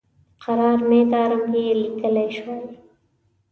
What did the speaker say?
قرار میدارم یې لیکلی شوای.